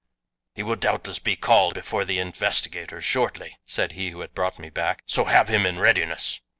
"He will doubtless be called before the investigators shortly," said he who had brought me back, "so have him in readiness."